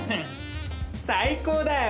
最高だよ！